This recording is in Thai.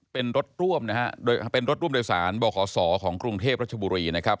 เป็นรถร่วมโดยสารบ่อขอสอของกรุงเทพรัชบุรีนะครับ